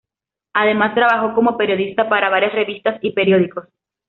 Además, trabajó como periodista para varias revistas y periódicos.